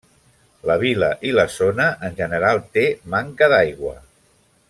La vila i la zona en general té manca d'aigua.